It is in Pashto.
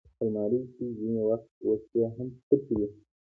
الماري کې ځینې وخت وسلې هم پټې وي